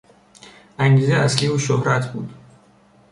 انگیزهی اصلی او شهرت بود.